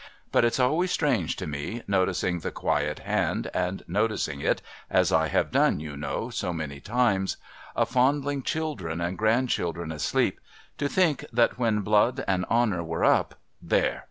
But it's always strange to me, noticing the quiet hand, and noticing it (as I have done, you know, so many times) a f()ii(lling children and grandchildren asleep, to think that when Mood and honour were up there!